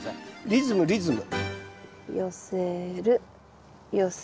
リズムリズム。